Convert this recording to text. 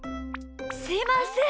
すいません。